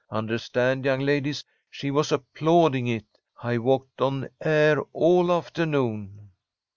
Understand, young ladies, she was applauding it. I walked on air all afternoon."